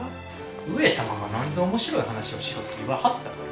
上様がなんぞ面白い話をしろて言わはったから。